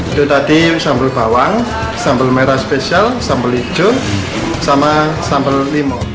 itu tadi sambal bawang sambal merah spesial sambal hijau sama sambal lima